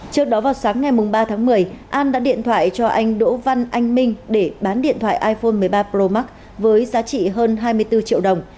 trước đó vào sáng ngày ba tháng một mươi an đã điện thoại cho anh đỗ văn anh minh để bán điện thoại iphone một mươi ba pro max với giá trị hơn hai mươi bốn triệu đồng